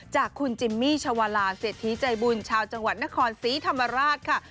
จากคุณจิมมี่ชาวาลาเศรษฐีใจบุญชาวจังหวัดนครศรีธรรมราชค่ะ